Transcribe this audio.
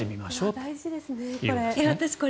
大事ですねこれ。